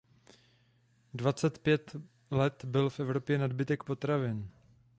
Dvacet pět let byl v Evropě nadbytek potravin.